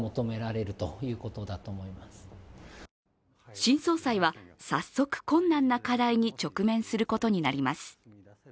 新総裁は早速、困難な課題に直面することになります。